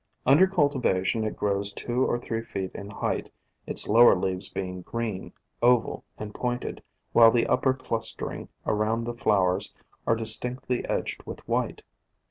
Under cultivation it grows two or three feet in height, its lower leaves being green, oval, and pointed, while the upper, clustering around the flowers, are distinctly edged with white.